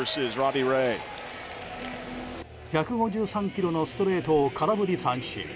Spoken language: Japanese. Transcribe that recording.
１５３キロのストレートを空振り三振。